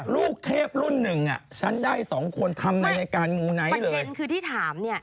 ลูกเทพรุ่นหนึ่งฉันได้สองคนทำใดในการมูไนท์เลย